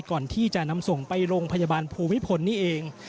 ก่อนที่จะนำส่งไปโรงพยาบาลภูมิพลนี่เอง